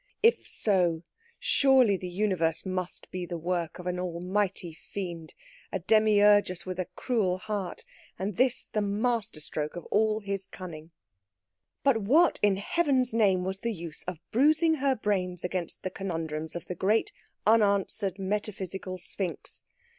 If, so, surely the Universe must be the work of an Almighty Fiend, a Demiurgus with a cruel heart, and this the masterstroke of all his cunning. But what, in Heaven's name, was the use of bruising her brains against the conundrums of the great unanswered metaphysical sphinx?